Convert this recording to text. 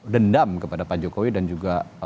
dendam kepada pak jokowi dan juga